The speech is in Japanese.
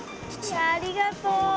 ありがとう。